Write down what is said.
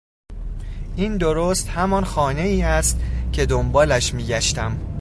این درست همان خانهای است که دنبالش میگشتم.